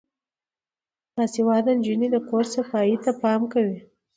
باسواده نجونې د کور صفايي ته پام کوي.